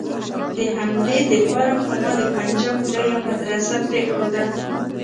د همدې د پاره خو ما د پنجاب لويه مدرسه پرېخوده.